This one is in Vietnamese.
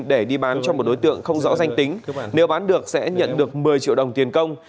để đi bán cho một đối tượng không rõ danh tính nếu bán được sẽ nhận được một mươi triệu đồng tiền công